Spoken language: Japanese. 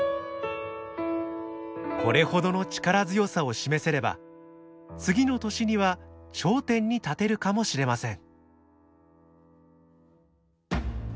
これほどの力強さを示せれば次の年には頂点に立てるかもしれません。